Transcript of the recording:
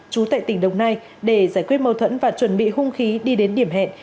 chú tại tỉnh đồng nai để giải quyết mâu thuẫn và chuẩn bị hung khí đi đến điểm hẹn